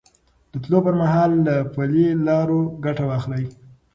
د تلو پر مهال له پلي لارو ګټه واخلئ.